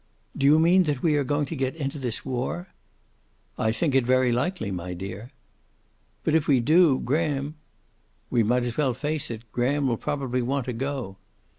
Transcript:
"Do you mean that we are going to get into this war?" "I think it very likely, my dear." "But if we do, Graham " "We might as well face it. Graham will probably want to go."